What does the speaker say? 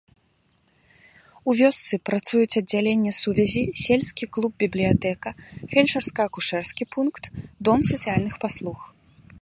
У вёсцы працуюць аддзяленне сувязі, сельскі клуб-бібліятэка, фельчарска-акушэрскі пункт, дом сацыяльных паслуг.